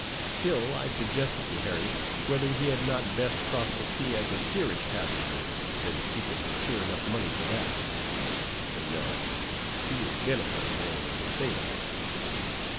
Still, I suggested to Harry, whether he had not best cross the sea as a steerage passenger, since he could procure enough money for that; but no, he was bent upon going as a sailor.